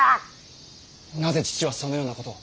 なぜ父はそのようなことを。